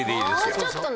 もうちょっとノ